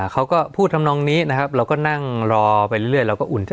เขาก็พูดทำนองนี้นะครับเราก็นั่งรอไปเรื่อยเราก็อุ่นใจ